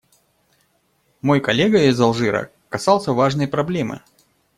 Мой коллега из Алжира касался важной проблемы.